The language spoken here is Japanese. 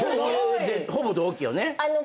ほぼ同期よね。